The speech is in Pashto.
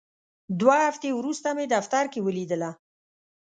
دوه هفتې وروسته مې دفتر کې ولیدله.